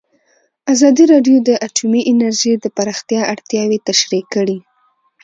ازادي راډیو د اټومي انرژي د پراختیا اړتیاوې تشریح کړي.